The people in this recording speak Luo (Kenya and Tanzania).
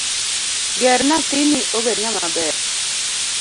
Ger nathini obed ng'ama ber.